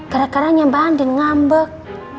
gara garanya mbak andin ngambek